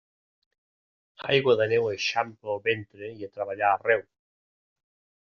Aigua de neu eixampla el ventre i a treballar arreu.